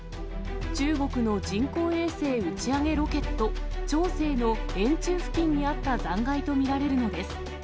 中国の人工衛星打ち上げロケット、長征の円柱付近にあった残骸と見られるのです。